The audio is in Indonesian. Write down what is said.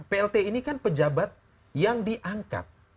plt ini kan pejabat yang diangkat